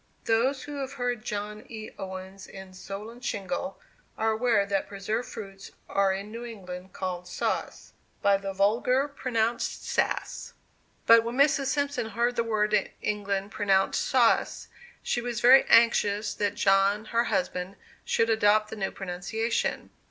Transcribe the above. Those who have heard John E. Owens in "Solon Shingle," are aware that preserved fruits are in New England called "sauce," by the vulgar pronounced "sass." But when Mrs. Simpson heard the word in England pronounced sauce, she was very anxious that John, her husband, should adopt the new pronunciation.